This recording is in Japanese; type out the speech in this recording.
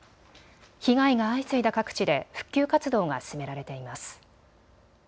被害が相次いだ各地で復旧活動が進められています。